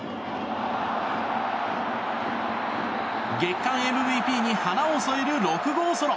月間ＭＶＰに花を添える６号ソロ。